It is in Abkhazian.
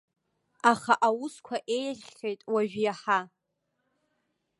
Аха аусқәа еиӷьхеит уажә иаҳа.